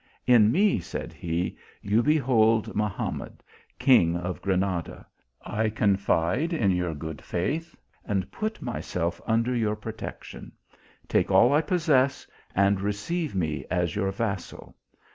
"In me," said he, " you behold Mahamad, king of Granada. I confide in your good faith, and put myself under your protection. Take all I possess, and receive me as your vassal."